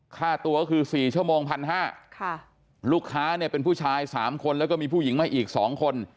ค่าตัวคือ๔ชมพัน๕ค่ะลูกค้าเนี่ยเป็นผู้ชาย๓คนแล้วก็มีผู้หญิงมาอีก๒คน